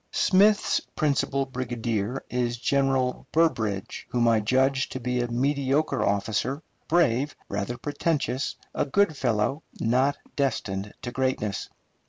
Smith's principal brigadier is General Burbridge, whom I judge to be a mediocre officer, brave, rather pretentious, a good fellow, not destined to greatness.